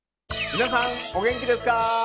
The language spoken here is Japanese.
皆さんお元気ですか？